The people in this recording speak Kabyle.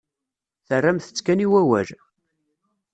Terramt-tt kan i wawal.